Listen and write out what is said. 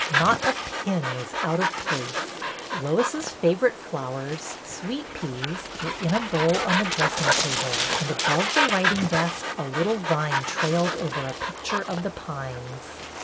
Not a pin was out of place. Lois's favorite flowers, sweet peas, were in a bowl on the dressing table, and above the writing desk a little vine trailed over a picture of The Pines.